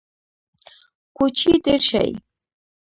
کوچي ډیر شي